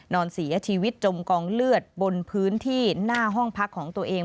นอนเสียชีวิตจมกองเลือดบนพื้นที่หน้าห้องพักของตัวเอง